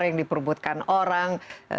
yang diperbutkan orang